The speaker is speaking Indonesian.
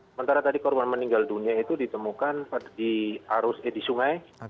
sementara tadi korban meninggal dunia itu ditemukan di arus edi sungai